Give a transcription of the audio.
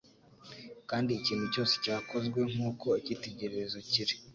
kandi ikintu cyose cyakozwe nk’uko icyitegererezo kiri.